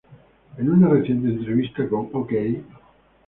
En una reciente entrevista con "Ok!